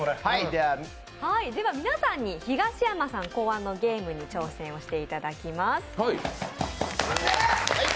では皆さんにヒガシヤマさん考案のゲームに挑戦していただきます。